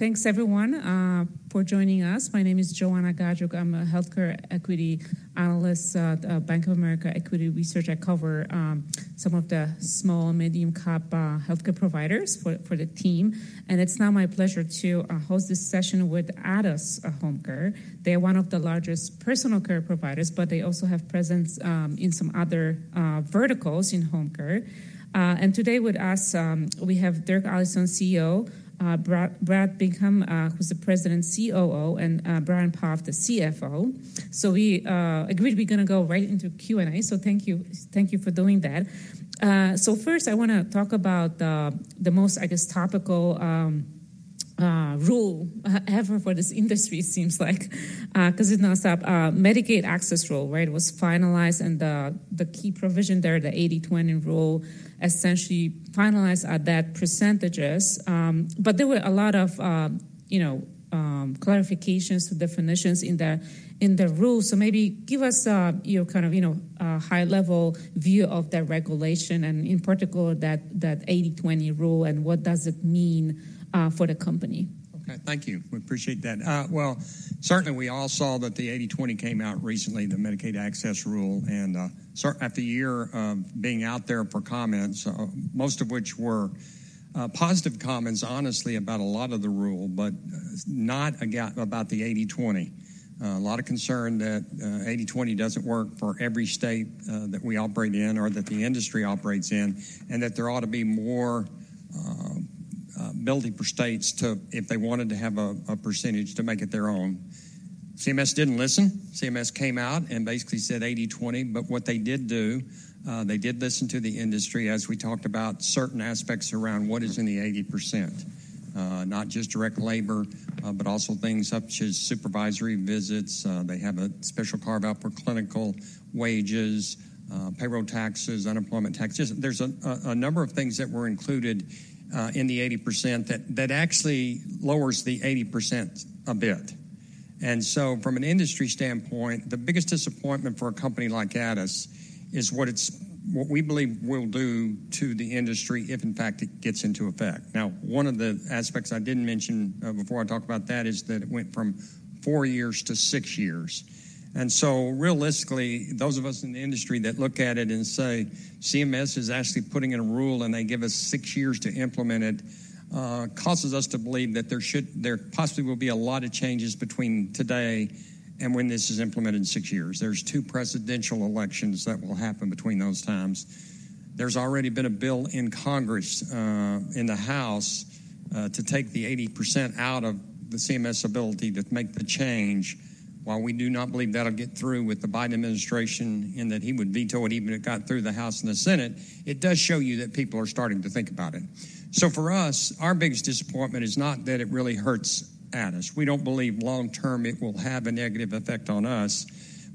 Thanks everyone for joining us. My name is Joanna Gajuk. I'm a Healthcare Equity Analyst at Bank of America Equity Research. I cover some of the small and medium cap healthcare providers for the team, and it's now my pleasure to host this session with Addus HomeCare. They're one of the largest personal care providers, but they also have presence in some other verticals in home care. And today with us we have Dirk Allison, CEO, Brad Bickham, who's the President COO, and Brian Poff, the CFO. So we agreed we're gonna go right into Q&A, so thank you, thank you for doing that. So first I wanna talk about the most, I guess, topical rule ever for this industry, it seems like, because it's non-stop. Medicaid Access Rule, right? It was finalized, and the, the key provision there, the 80/20 rule, essentially finalized at that percentages. But there were a lot of, you know, clarifications to definitions in the, in the rule. So maybe give us, your kind of, you know, a high level view of that regulation and in particular, that, that 80/20 rule, and what does it mean, for the company? Okay, thank you. We appreciate that. Well, certainly we all saw that the 80/20 came out recently, the Medicaid Access Rule, and certainly after a year of being out there for comments, most of which were positive comments, honestly, about a lot of the rule, but not about the 80/20. A lot of concern that 80/20 doesn't work for every state that we operate in or that the industry operates in, and that there ought to be more ability for states to, if they wanted to have a percentage, to make it their own. CMS didn't listen. CMS came out and basically said, "80/20." But what they did do, they did listen to the industry as we talked about certain aspects around what is in the 80%. Not just direct labor, but also things up to supervisory visits. They have a special carve-out for clinical wages, payroll taxes, unemployment taxes. There's a number of things that were included in the 80% that actually lowers the 80% a bit. And so from an industry standpoint, the biggest disappointment for a company like Addus is what it's, what we believe will do to the industry if, in fact, it gets into effect. Now, one of the aspects I didn't mention before I talk about that, is that it went from four years to six years. And so realistically, those of us in the industry that look at it and say, "CMS is actually putting in a rule, and they give us six years to implement it," causes us to believe that there possibly will be a lot of changes between today and when this is implemented in six years. There's two presidential elections that will happen between those times. There's already been a bill in Congress, in the House, to take the 80% out of the CMS ability to make the change. While we do not believe that'll get through with the Biden administration and that he would veto it even if it got through the House and the Senate, it does show you that people are starting to think about it. So for us, our biggest disappointment is not that it really hurts Addus. We don't believe long term it will have a negative effect on us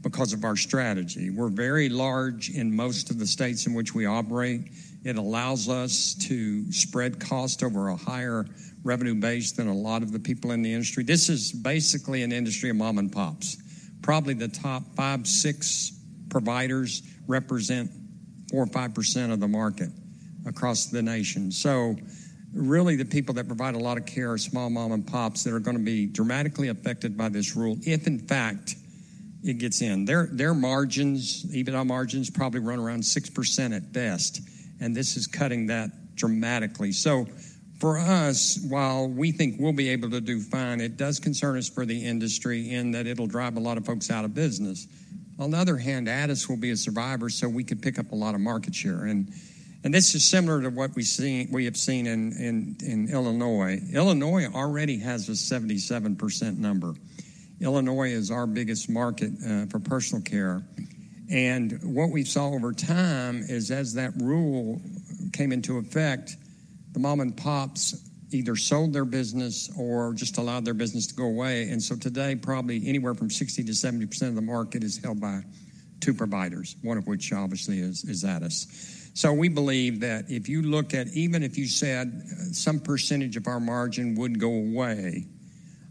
because of our strategy. We're very large in most of the states in which we operate. It allows us to spread cost over a higher revenue base than a lot of the people in the industry. This is basically an industry of mom and pops. Probably the top 5, 6 providers represent 4% or 5% of the market across the nation. So really, the people that provide a lot of care are small mom and pops that are gonna be dramatically affected by this rule, if in fact, it gets in. Their margins, EBITDA margins, probably run around 6% at best, and this is cutting that dramatically. So for us, while we think we'll be able to do fine, it does concern us for the industry in that it'll drive a lot of folks out of business. On the other hand, Addus will be a survivor, so we could pick up a lot of market share. And this is similar to what we've seen in Illinois. Illinois already has a 77% number. Illinois is our biggest market for personal care. And what we saw over time is, as that rule came into effect, the mom and pops either sold their business or just allowed their business to go away. And so today, probably anywhere from 60%-70% of the market is held by two providers, one of which obviously is Addus. So we believe that if you looked at even if you said some percentage of our margin would go away,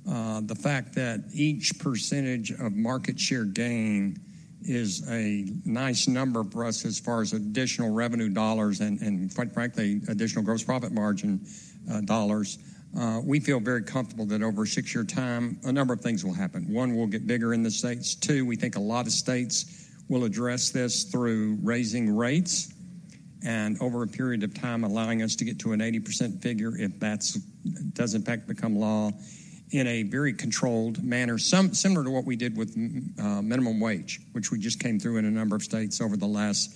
the fact that each percentage of market share gain is a nice number for us as far as additional revenue dollars and, and quite frankly, additional gross profit margin dollars. We feel very comfortable that over a six-year time, a number of things will happen. One, we'll get bigger in the states. Two, we think a lot of states will address this through raising rates and over a period of time, allowing us to get to an 80% figure, if that does in fact become law, in a very controlled manner. Similar to what we did with minimum wage, which we just came through in a number of states over the last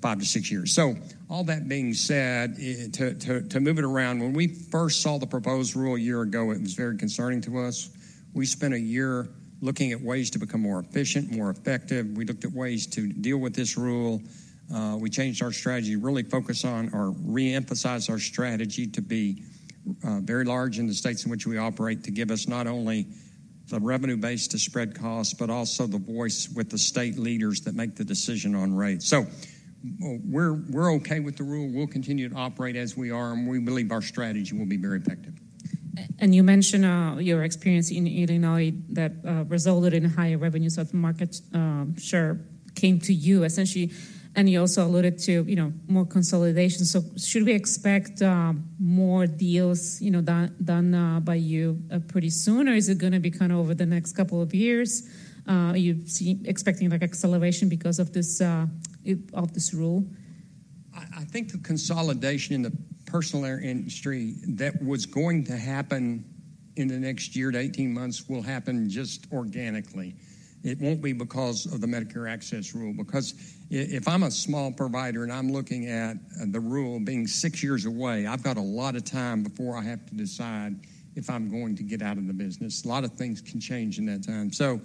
five to six years. So all that being said, to move it around, when we first saw the proposed rule a year ago, it was very concerning to us. We spent a year looking at ways to become more efficient, more effective. We looked at ways to deal with this rule. We changed our strategy, really focus on or re-emphasize our strategy to be very large in the states in which we operate, to give us not only the revenue base to spread costs, but also the voice with the state leaders that make the decision on rates. So we're okay with the rule. We'll continue to operate as we are, and we believe our strategy will be very effective.... and you mentioned your experience in Illinois that resulted in higher revenues, so the market share came to you essentially, and you also alluded to, you know, more consolidation. So should we expect more deals, you know, done by you pretty soon, or is it gonna be kind of over the next couple of years? Are you expecting, like, acceleration because of this rule? I think the consolidation in the personal care industry that was going to happen in the next year to 18 months will happen just organically. It won't be because of the Medicaid Access Rule. Because if I'm a small provider and I'm looking at the rule being six years away, I've got a lot of time before I have to decide if I'm going to get out of the business. A lot of things can change in that time. So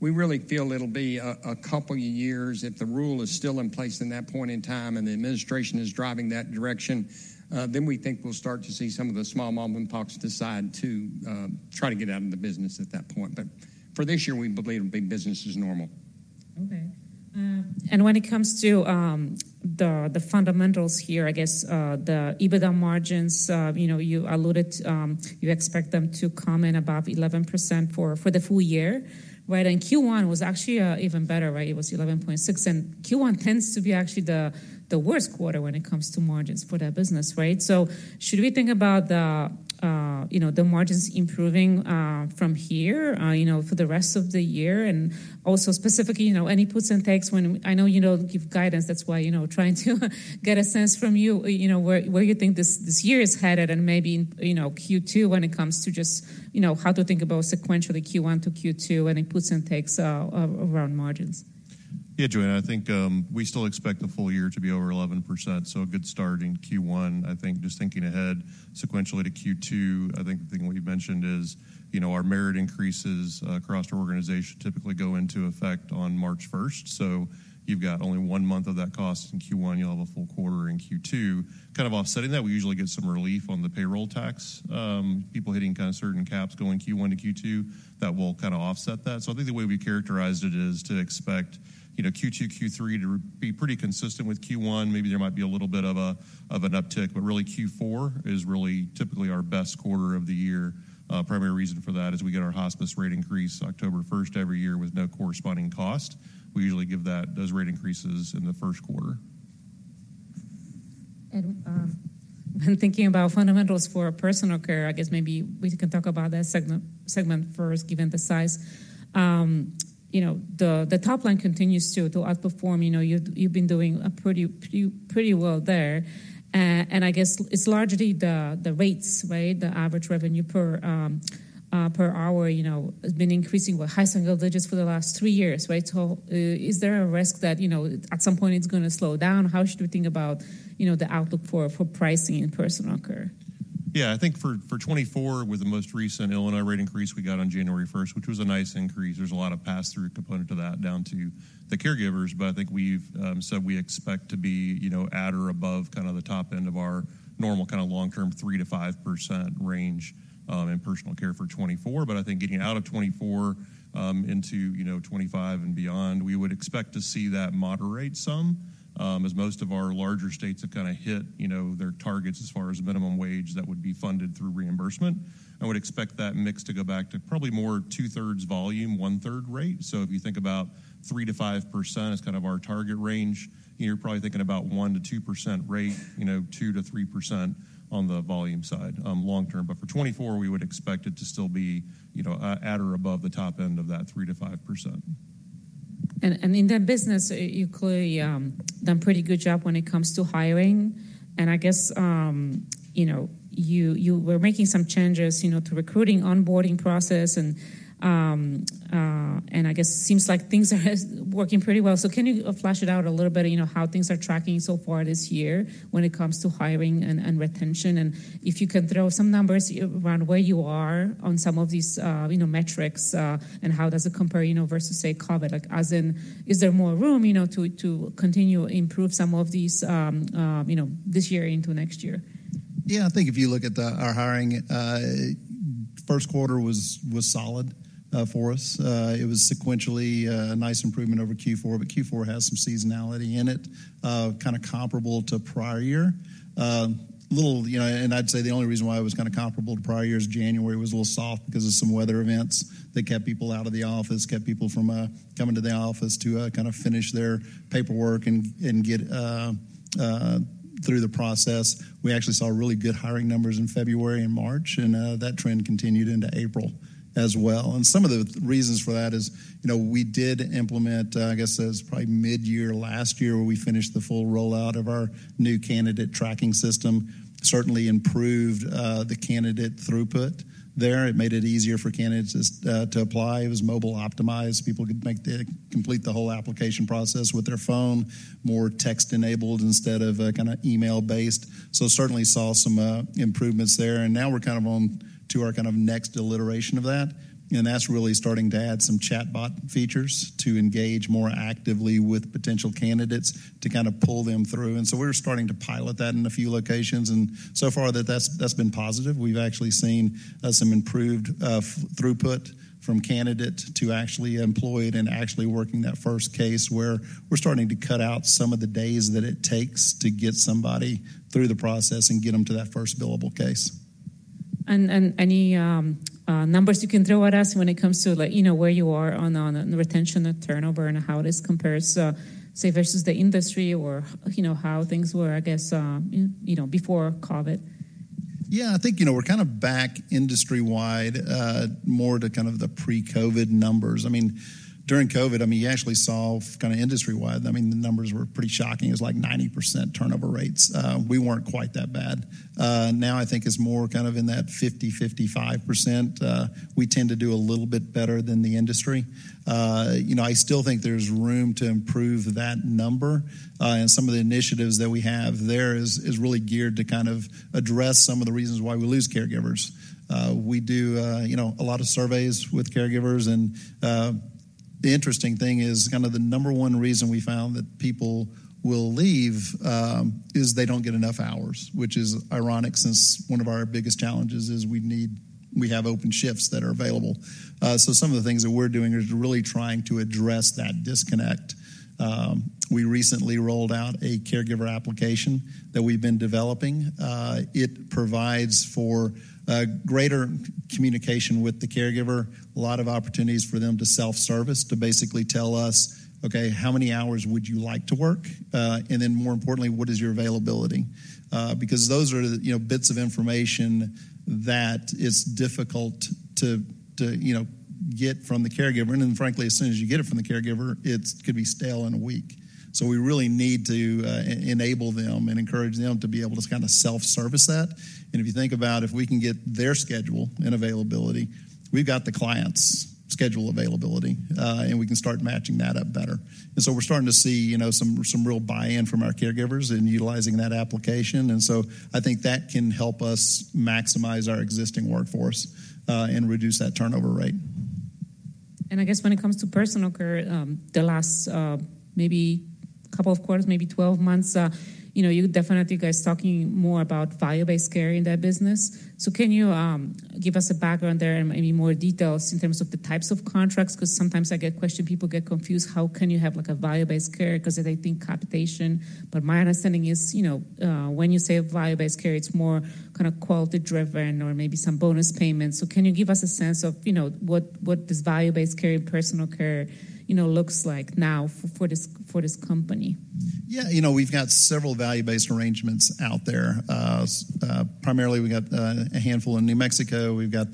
we really feel it'll be a couple of years. If the rule is still in place in that point in time and the administration is driving that direction, then we think we'll start to see some of the small mom and pops decide to try to get out of the business at that point. But for this year, we believe business as normal. Okay. And when it comes to the fundamentals here, I guess, the EBITDA margins, you know, you alluded, you expect them to come in above 11% for the full year, right? And Q1 was actually even better, right? It was 11.6%, and Q1 tends to be actually the worst quarter when it comes to margins for that business, right? So should we think about you know, the margins improving from here, you know, for the rest of the year? And also specifically, you know, any puts and takes when... I know you don't give guidance, that's why, you know, trying to get a sense from you, you know, where you think this year is headed and maybe, you know, Q2 when it comes to just, you know, how to think about sequentially Q1 to Q2, any puts and takes around margins. Yeah, Joanna, I think we still expect the full year to be over 11%, so a good start in Q1. I think just thinking ahead sequentially to Q2, I think the thing we mentioned is, you know, our merit increases across the organization typically go into effect on March first. So you've got only one month of that cost in Q1, you'll have a full quarter in Q2. Kind of offsetting that, we usually get some relief on the payroll tax, people hitting kind of certain caps going Q1 to Q2, that will kind of offset that. So I think the way we characterized it is to expect, you know, Q2, Q3 to be pretty consistent with Q1. Maybe there might be a little bit of an uptick, but really, Q4 is really typically our best quarter of the year. Primary reason for that is we get our hospice rate increase October first every year with no corresponding cost. We usually give that, those rate increases in the first quarter. When thinking about fundamentals for personal care, I guess maybe we can talk about that segment first, given the size. You know, the top line continues to outperform. You know, you've been doing pretty well there. And I guess it's largely the rates, right? The average revenue per hour, you know, has been increasing with high single digits for the last three years, right? So, is there a risk that, you know, at some point it's gonna slow down? How should we think about, you know, the outlook for pricing in personal care? Yeah, I think for 2024, with the most recent Illinois rate increase we got on January first, which was a nice increase, there's a lot of pass-through component to that, down to the caregivers. But I think we've said we expect to be, you know, at or above kind of the top end of our normal kind of long-term 3%-5% range, in personal care for 2024. But I think getting out of 2024, into, you know, 2025 and beyond, we would expect to see that moderate some, as most of our larger states have kinda hit, you know, their targets as far as minimum wage, that would be funded through reimbursement. I would expect that mix to go back to probably more two-thirds volume, one-third rate. So if you think about 3%-5% as kind of our target range, you're probably thinking about 1%-2% rate, you know, 2%-3% on the volume side, long term. But for 2024, we would expect it to still be, you know, at or above the top end of that 3%-5%. In that business, you clearly done pretty good job when it comes to hiring, and I guess, you know, you, you were making some changes, you know, to recruiting, onboarding process, and I guess seems like things are working pretty well. So can you flesh it out a little bit, you know, how things are tracking so far this year when it comes to hiring and retention? If you can throw some numbers around where you are on some of these, you know, metrics, and how does it compare, you know, versus, say, COVID? Like, as in, is there more room, you know, to, to continue improve some of these, you know, this year into next year? Yeah, I think if you look at our hiring, first quarter was solid for us. It was sequentially a nice improvement over Q4, but Q4 has some seasonality in it, kinda comparable to prior year. You know, and I'd say the only reason why it was kinda comparable to prior years, January was a little soft because of some weather events that kept people out of the office, kept people from coming to the office to kind of finish their paperwork and get through the process. We actually saw really good hiring numbers in February and March, and that trend continued into April as well. Some of the reasons for that is, you know, we did implement, I guess it was probably midyear last year, where we finished the full rollout of our new candidate tracking system. Certainly improved the candidate throughput there. It made it easier for candidates to apply. It was mobile optimized. People could complete the whole application process with their phone, more text-enabled instead of kinda email-based. So certainly saw some improvements there, and now we're kind of on to our kind of next iteration of that, and that's really starting to add some chatbot features to engage more actively with potential candidates to kind of pull them through. And so we're starting to pilot that in a few locations, and so far that's been positive. We've actually seen some improved throughput from candidate to actually employed and actually working that first case, where we're starting to cut out some of the days that it takes to get somebody through the process and get them to that first billable case. ... And any numbers you can throw at us when it comes to, like, you know, where you are on the retention and turnover and how this compares, say, versus the industry or, you know, how things were, I guess, you know, before COVID? Yeah, I think, you know, we're kind of back industry-wide more to kind of the pre-COVID numbers. I mean, during COVID, I mean, you actually saw kind of industry-wide, I mean, the numbers were pretty shocking. It was like 90% turnover rates. We weren't quite that bad. Now I think it's more kind of in that 50%-55%. We tend to do a little bit better than the industry. You know, I still think there's room to improve that number, and some of the initiatives that we have there is really geared to kind of address some of the reasons why we lose caregivers. We do, you know, a lot of surveys with caregivers, and, the interesting thing is, kind of the number one reason we found that people will leave, is they don't get enough hours, which is ironic since one of our biggest challenges is we need, we have open shifts that are available. So some of the things that we're doing is really trying to address that disconnect. We recently rolled out a caregiver application that we've been developing. It provides for, greater communication with the caregiver, a lot of opportunities for them to self-service, to basically tell us, "Okay, how many hours would you like to work?" And then, more importantly, "What is your availability?" Because those are, you know, bits of information that is difficult to, you know, get from the caregiver. And then, frankly, as soon as you get it from the caregiver, it could be stale in a week. So we really need to enable them and encourage them to be able to kinda self-service that. And if you think about if we can get their schedule and availability, we've got the client's schedule availability, and we can start matching that up better. And so we're starting to see, you know, some, some real buy-in from our caregivers in utilizing that application. And so I think that can help us maximize our existing workforce, and reduce that turnover rate. And I guess when it comes to personal care, the last maybe couple of quarters, maybe 12 months, you know, you definitely guys talking more about value-based care in that business. So can you give us a background there and any more details in terms of the types of contracts? Because sometimes I get questioned, people get confused, how can you have, like, a value-based care? Because they think capitation. But my understanding is, you know, when you say value-based care, it's more kind of quality-driven or maybe some bonus payments. So can you give us a sense of, you know, what, what this value-based care and personal care, you know, looks like now for, for this, for this company? Yeah, you know, we've got several value-based arrangements out there. Primarily, we got a handful in New Mexico. We've got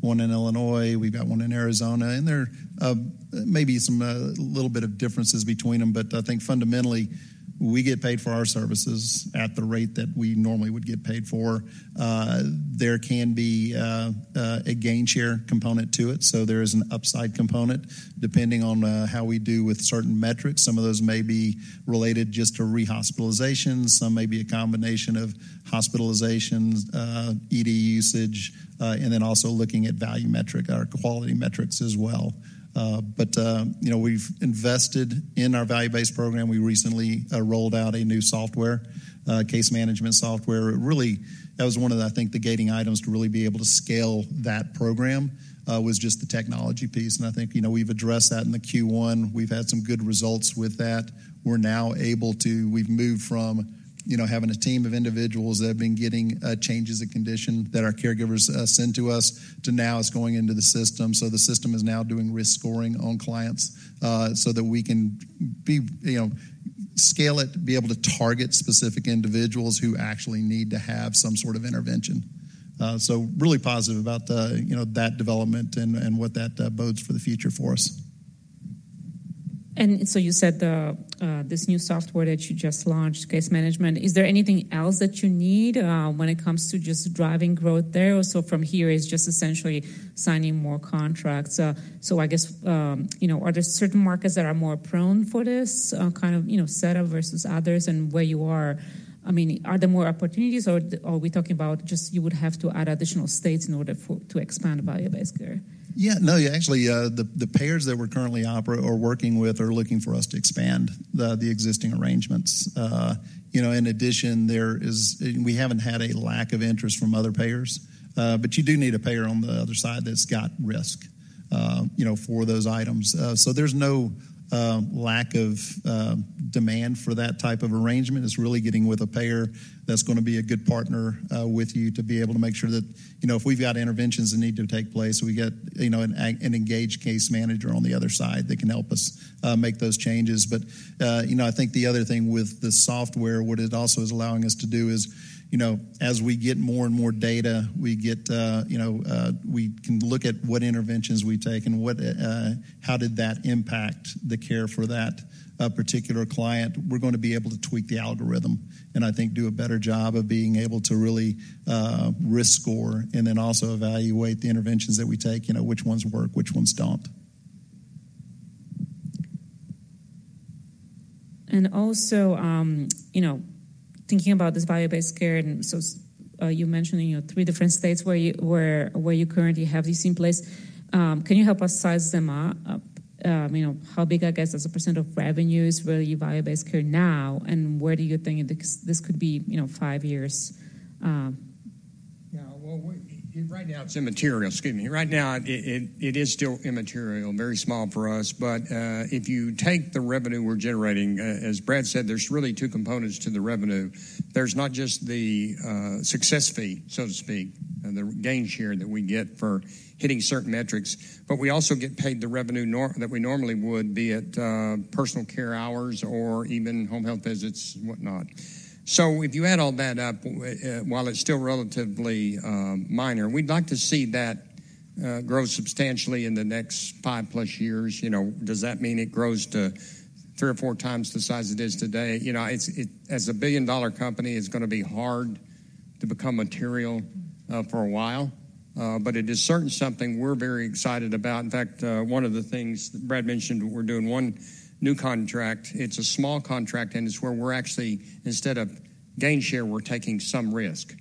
one in Illinois, we've got one in Arizona, and there are maybe some little bit of differences between them, but I think fundamentally, we get paid for our services at the rate that we normally would get paid for. There can be a gainshare component to it, so there is an upside component, depending on how we do with certain metrics. Some of those may be related just to rehospitalization, some may be a combination of hospitalizations, ED usage, and then also looking at value metric, our quality metrics as well. But you know, we've invested in our value-based program. We recently rolled out a new software, case management software. It really... That was one of, I think, the gating items to really be able to scale that program was just the technology piece. I think, you know, we've addressed that in the Q1. We've had some good results with that. We're now able to. We've moved from, you know, having a team of individuals that have been getting changes in condition that our caregivers send to us, to now it's going into the system. So the system is now doing risk scoring on clients so that we can be, you know, scale it, be able to target specific individuals who actually need to have some sort of intervention. So really positive about the, you know, that development and what that bodes for the future for us. So you said, this new software that you just launched, case management, is there anything else that you need when it comes to just driving growth there? Or so from here, it's just essentially signing more contracts. So I guess, you know, are there certain markets that are more prone for this kind of, you know, setup versus others and where you are? I mean, are there more opportunities, or are we talking about just you would have to add additional states in order for to expand value-based care? Yeah, no, yeah, actually, the payers that we're currently operating or working with are looking for us to expand the existing arrangements. You know, in addition, there is... We haven't had a lack of interest from other payers, but you do need a payer on the other side that's got risk, you know, for those items. So there's no lack of demand for that type of arrangement. It's really getting with a payer that's gonna be a good partner with you to be able to make sure that, you know, if we've got interventions that need to take place, we get, you know, an engaged case manager on the other side that can help us make those changes. But, you know, I think the other thing with the software, what it also is allowing us to do is, you know, as we get more and more data, we get, you know, we can look at what interventions we take and what, how did that impact the care for that particular client. We're gonna be able to tweak the algorithm, and I think do a better job of being able to really risk score, and then also evaluate the interventions that we take, you know, which ones work, which ones don't. Also, you know, thinking about this value-based care, and so, you mentioned, you know, three different states where you currently have this in place. Can you help us size them up, you know, how big, I guess, as a % of revenues, where your value-based care now, and where do you think this could be, you know, five years?... Right now, it's immaterial. Excuse me. Right now, it is still immaterial, very small for us. But if you take the revenue we're generating, as Brad said, there's really two components to the revenue. There's not just the success fee, so to speak, and the gainshare that we get for hitting certain metrics, but we also get paid the revenue that we normally would, be it personal care hours or even home health visits and whatnot. So if you add all that up, while it's still relatively minor, we'd like to see that grow substantially in the next five plus years. You know, does that mean it grows to three or four times the size it is today? You know, it's as a billion-dollar company, it's gonna be hard to become material for a while. But it is something we're very excited about. In fact, one of the things Brad mentioned, we're doing one new contract. It's a small contract, and it's where we're actually, instead of gainshare, we're taking some risk.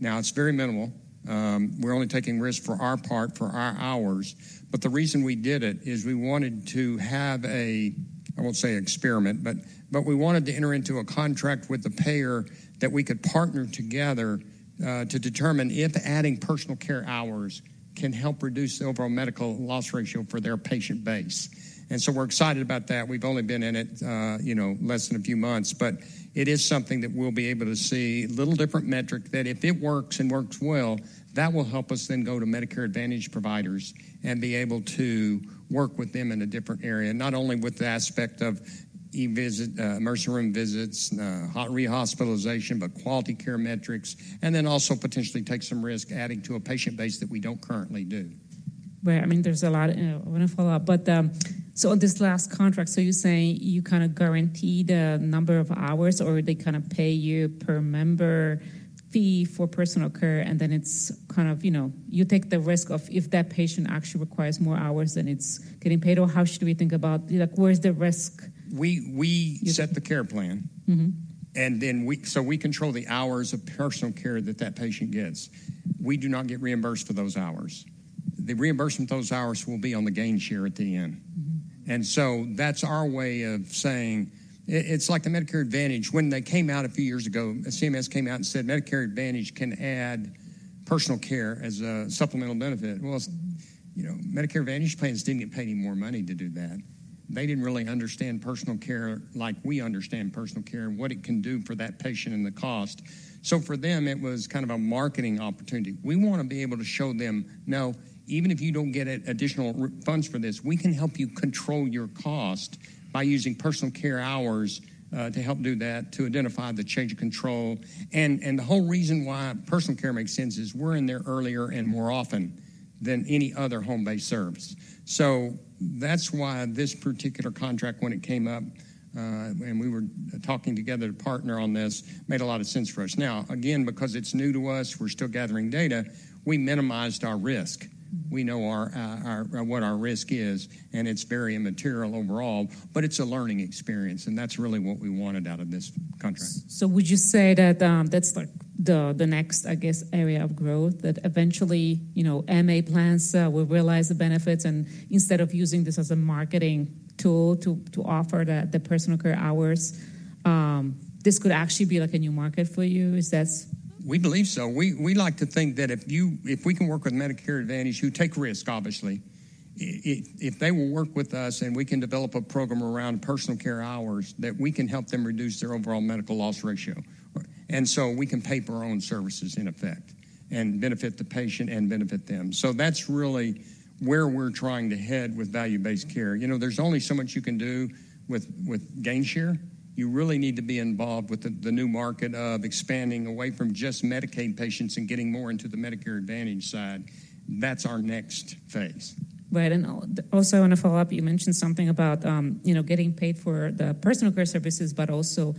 Now, it's very minimal. We're only taking risk for our part, for our hours. But the reason we did it is we wanted to have a, I won't say experiment, but we wanted to enter into a contract with the payer that we could partner together to determine if adding personal care hours can help reduce the overall medical loss ratio for their patient base. And so we're excited about that. We've only been in it, you know, less than a few months, but it is something that we'll be able to see, a little different metric, that if it works and works well, that will help us then go to Medicare Advantage providers and be able to work with them in a different area, not only with the aspect of e-visit, emergency room visits, rehospitalization, but quality care metrics, and then also potentially take some risk adding to a patient base that we don't currently do. Right. I mean, there's a lot, and I want to follow up. But, so on this last contract, so you're saying you kind of guarantee the number of hours, or they kind of pay you per member fee for personal care, and then it's kind of, you know, you take the risk of if that patient actually requires more hours than it's getting paid, or how should we think about, like, where's the risk? We set the care plan. Mm-hmm. So we control the hours of personal care that that patient gets. We do not get reimbursed for those hours. The reimbursement for those hours will be on the gain share at the end. Mm-hmm. And so that's our way of saying... It's like the Medicare Advantage. When they came out a few years ago, CMS came out and said Medicare Advantage can add personal care as a supplemental benefit. Well, you know, Medicare Advantage plans didn't get paid any more money to do that. They didn't really understand personal care like we understand personal care and what it can do for that patient and the cost. So for them, it was kind of a marketing opportunity. We want to be able to show them, "No, even if you don't get additional funds for this, we can help you control your cost by using personal care hours to help do that, to identify the change of control." And the whole reason why personal care makes sense is we're in there earlier and more often than any other home-based service. So that's why this particular contract, when it came up, and we were talking together to partner on this, made a lot of sense for us. Now, again, because it's new to us, we're still gathering data, we minimized our risk. We know what our risk is, and it's very immaterial overall, but it's a learning experience, and that's really what we wanted out of this contract. So would you say that that's like the next, I guess, area of growth, that eventually, you know, MA plans will realize the benefits, and instead of using this as a marketing tool to offer the personal care hours, this could actually be like a new market for you? Is that- We believe so. We like to think that if we can work with Medicare Advantage, who take risk, obviously, if they will work with us and we can develop a program around personal care hours, that we can help them reduce their overall medical loss ratio. And so we can pay for our own services in effect and benefit the patient and benefit them. So that's really where we're trying to head with value-based care. You know, there's only so much you can do with gain share. You really need to be involved with the new market of expanding away from just Medicaid patients and getting more into the Medicare Advantage side. That's our next phase. Right. And also, I want to follow up, you mentioned something about, you know, getting paid for the personal care services, but also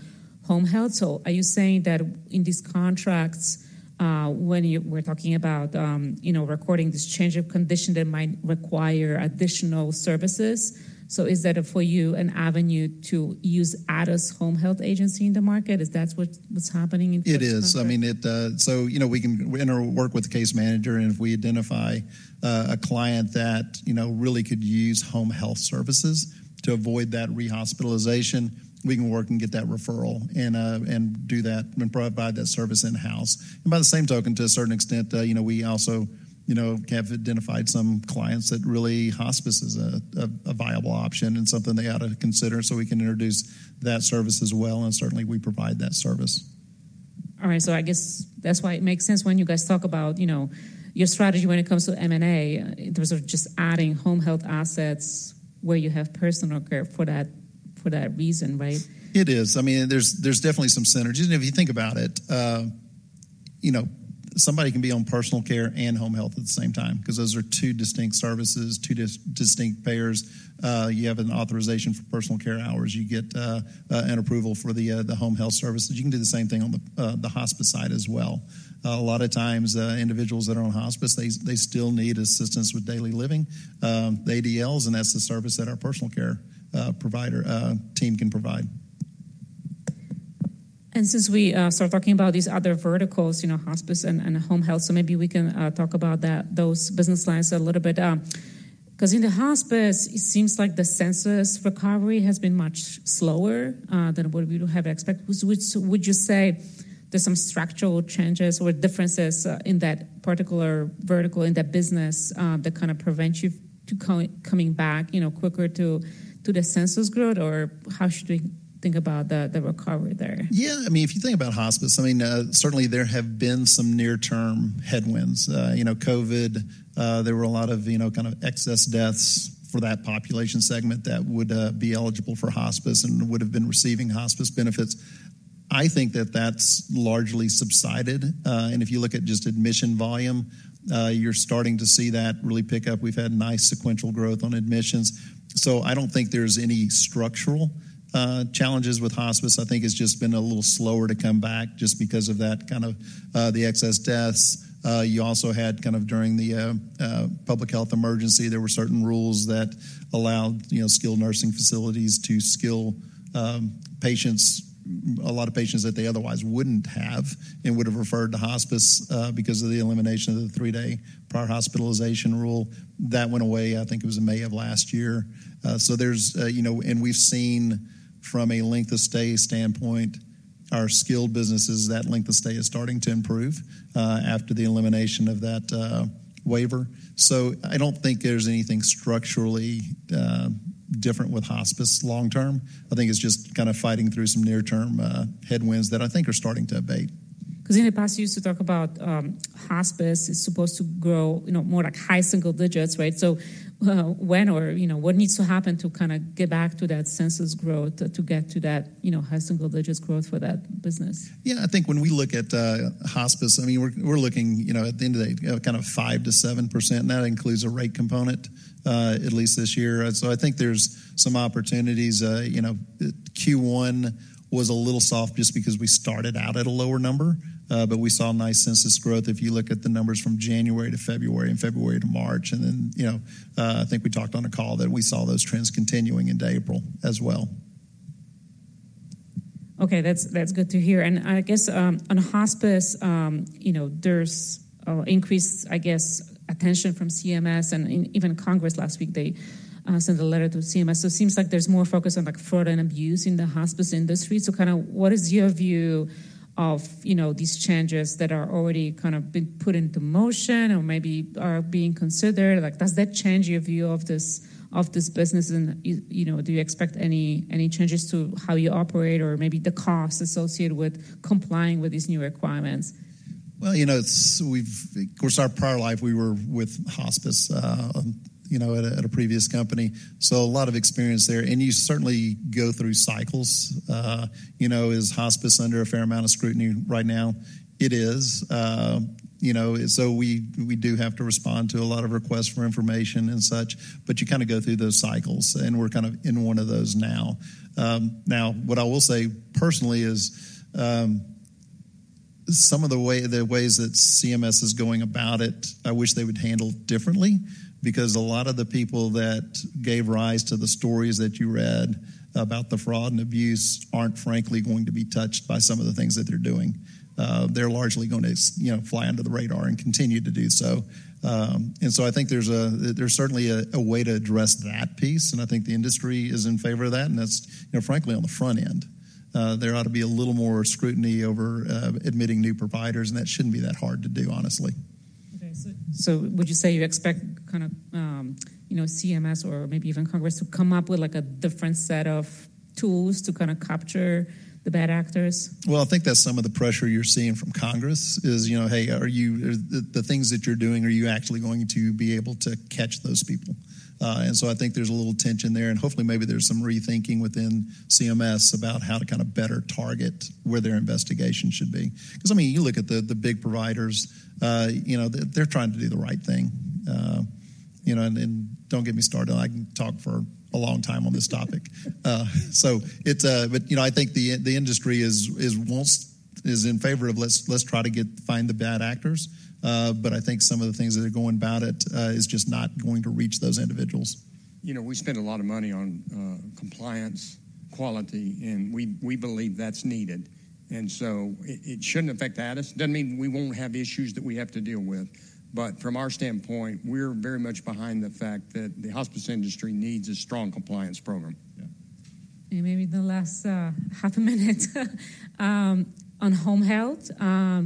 home health. So are you saying that in these contracts, when you were talking about, you know, recording this change of condition that might require additional services, so is that, for you, an avenue to use Addus Home Health Agency in the market? Is that's what was happening in- It is. I mean, it. So, you know, we can work with the case manager, and if we identify a client that, you know, really could use home health services to avoid that rehospitalization, we can work and get that referral and do that and provide that service in-house. And by the same token, to a certain extent, you know, we also, you know, have identified some clients that really hospice is a viable option and something they ought to consider, so we can introduce that service as well, and certainly, we provide that service. All right, so I guess that's why it makes sense when you guys talk about, you know, your strategy when it comes to M&A. In terms of just adding home health assets where you have personal care for that, for that reason, right? It is. I mean, there's definitely some synergies. And if you think about it, you know, somebody can be on personal care and home health at the same time because those are two distinct services, two distinct payers. You have an authorization for personal care hours. You get an approval for the home health services. You can do the same thing on the hospice side as well. A lot of times, individuals that are on hospice, they still need assistance with daily living, the ADLs, and that's the service that our personal care provider team can provide. Since we started talking about these other verticals, you know, hospice and home health, so maybe we can talk about that, those business lines a little bit. 'Cause in the hospice, it seems like the census recovery has been much slower than what we would have expected. Would you say there's some structural changes or differences in that particular vertical, in that business, that kind of prevents you to coming back, you know, quicker to the census growth? Or how should we think about the recovery there? Yeah, I mean, if you think about hospice, I mean, certainly there have been some near-term headwinds. You know, COVID, there were a lot of, you know, kind of excess deaths for that population segment that would, be eligible for hospice and would've been receiving hospice benefits. I think that that's largely subsided, and if you look at just admission volume, you're starting to see that really pick up. We've had nice sequential growth on admissions, so I don't think there's any structural, challenges with hospice. I think it's just been a little slower to come back just because of that kind of, the excess deaths. You also had kind of during the public health emergency, there were certain rules that allowed, you know, skilled nursing facilities to skill patients, a lot of patients that they otherwise wouldn't have and would've referred to hospice because of the elimination of the three-day prior hospitalization rule. That went away, I think it was in May of last year. So there's, you know... And we've seen from a length of stay standpoint, our skilled businesses, that length of stay is starting to improve after the elimination of that waiver. So I don't think there's anything structurally different with hospice long term. I think it's just kind of fighting through some near-term headwinds that I think are starting to abate. 'Cause in the past, you used to talk about, hospice is supposed to grow, you know, more like high single digits, right? So, when or, you know, what needs to happen to kind of get back to that census growth to get to that, you know, high single digits growth for that business? Yeah, I think when we look at hospice, I mean, we're, we're looking, you know, at the end of the day, kind of 5%-7%, and that includes a rate component at least this year. So I think there's some opportunities. You know, Q1 was a little soft just because we started out at a lower number, but we saw nice census growth if you look at the numbers from January to February and February to March, and then, you know, I think we talked on a call that we saw those trends continuing into April as well. Okay, that's, that's good to hear. And I guess, on hospice, you know, there's increased, I guess, attention from CMS and even Congress last week, they sent a letter to CMS. So it seems like there's more focus on, like, fraud and abuse in the hospice industry. So kind of what is your view of, you know, these changes that are already kind of been put into motion or maybe are being considered? Like, does that change your view of this, of this business, and, you know, do you expect any, any changes to how you operate or maybe the costs associated with complying with these new requirements? Well, you know, it's we've, of course, our prior life, we were with hospice, you know, at a previous company, so a lot of experience there, and you certainly go through cycles. You know, is hospice under a fair amount of scrutiny right now? It is. You know, so we do have to respond to a lot of requests for information and such, but you kind of go through those cycles, and we're kind of in one of those now. Now, what I will say personally is, some of the ways that CMS is going about it, I wish they would handle differently because a lot of the people that gave rise to the stories that you read about the fraud and abuse aren't frankly going to be touched by some of the things that they're doing. They're largely gonna, you know, fly under the radar and continue to do so. So I think there's certainly a way to address that piece, and I think the industry is in favor of that, and that's, you know, frankly, on the front end. There ought to be a little more scrutiny over admitting new providers, and that shouldn't be that hard to do, honestly. Okay, so would you say you expect kind of, you know, CMS or maybe even Congress to come up with, like, a different set of tools to kind of capture the bad actors? Well, I think that's some of the pressure you're seeing from Congress is, you know, "Hey, are you, the things that you're doing, are you actually going to be able to catch those people?" And so I think there's a little tension there, and hopefully, maybe there's some rethinking within CMS about how to kind of better target where their investigation should be. 'Cause, I mean, you look at the big providers, you know, they're trying to do the right thing. You know, and then don't get me started. I can talk for a long time on this topic. So it's... But, you know, I think the industry is in favor of, let's try to find the bad actors. I think some of the things that are going about it is just not going to reach those individuals. You know, we spend a lot of money on compliance, quality, and we believe that's needed, and so it shouldn't affect us. Doesn't mean we won't have issues that we have to deal with, but from our standpoint, we're very much behind the fact that the hospice industry needs a strong compliance program. Yeah. And maybe the last half a minute on home health.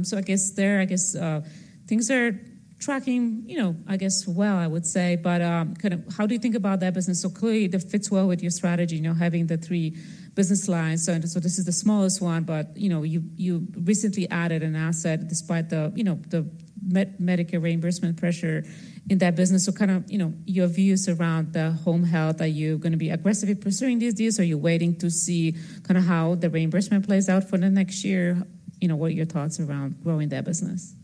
So I guess things are tracking, you know, I guess well, I would say, but kind of how do you think about that business? So clearly, that fits well with your strategy, you know, having the three business lines. So this is the smallest one, but you know, you recently added an asset despite the, you know, the Medicare reimbursement pressure in that business. So kind of, you know, your views around the home health, are you gonna be aggressively pursuing these deals, or are you waiting to see kind of how the reimbursement plays out for the next year? You know, what are your thoughts around growing that business?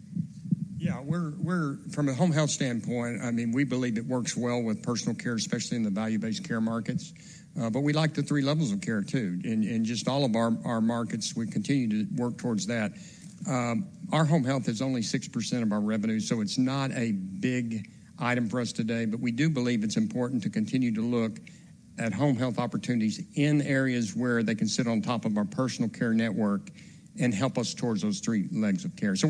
Yeah, we're from a home health standpoint, I mean, we believe it works well with personal care, especially in the value-based care markets. But we like the three levels of care, too. In just all of our markets, we continue to work towards that. Our home health is only 6% of our revenue, so it's not a big item for us today, but we do believe it's important to continue to look at home health opportunities in areas where they can sit on top of our personal care network and help us towards those three legs of care. So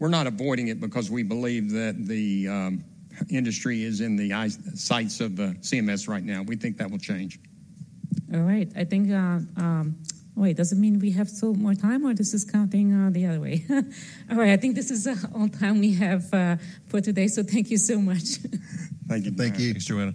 we're not avoiding it because we believe that the industry is in the sights of CMS right now. We think that will change. All right. I think... Wait, does it mean we have still more time, or this is counting the other way? All right, I think this is all time we have for today, so thank you so much. Thank you. Thank you. Thanks, Joanna.